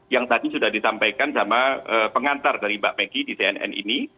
yang tadi sudah disampaikan sama pengantar dari mbak meggy di cnn ini